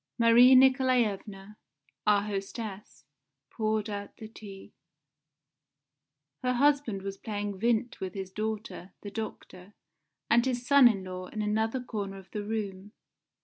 Marie Nikolaevna, our hostess, poured out the tea. Her husband was playing Vindt with his daughter, the doctor, and his son in law in another corner of the room.